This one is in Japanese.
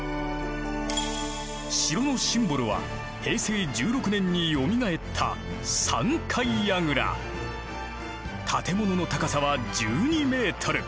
城のシンボルは平成１６年によみがえった建物の高さは１２メートル。